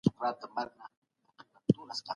د کوچني دپاره تاسي باید خپلي هڅې جاري وساتئ.